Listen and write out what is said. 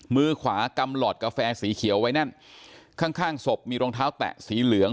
มือขวากำหลอดกาแฟสีเขียวไว้แน่นข้างข้างศพมีรองเท้าแตะสีเหลือง